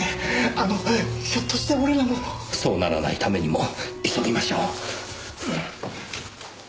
あのひょっとして俺らも？そうならないためにも急ぎましょう。